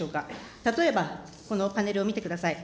例えば、このパネルを見てください。